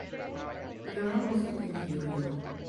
But there are also things we agree on.